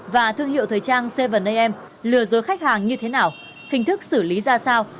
và thương hiệu thời trang cvn am lừa dối khách hàng như thế nào hình thức xử lý ra sao